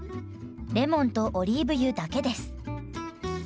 レモンとオリーブ油だけです。